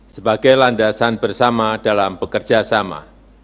sebagai landasan bersama dalam bekerjasama